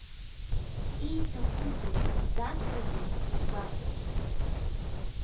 Ииҭахузеи, дзасуазеи зыбгәахәуа?